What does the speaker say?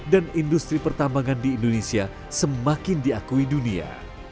dan industri pertambangan di indonesia semakin diakui dunia